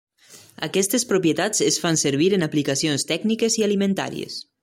Aquestes propietats es fan servir en aplicacions tècniques i alimentàries.